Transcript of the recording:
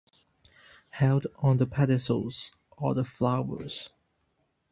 Held on the pedicels are the flowers.